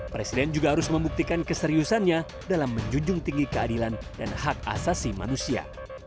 presiden juga harus membuktikan keseriusannya dalam menjunjung tinggi keadilan dan hak asasi manusia